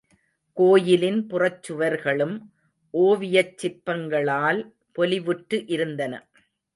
கோயிலின் புறச்சுவர்களும் ஓவியச் சிற்பங்களால் பொலிவுற்று இருந்தன.